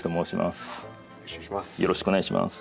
よろしくお願いします。